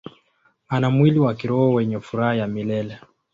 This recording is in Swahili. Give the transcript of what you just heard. Ana mwili wa kiroho wenye furaha ya milele.